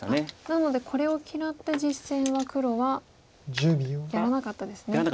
なのでこれを嫌って実戦は黒はやらなかったですね。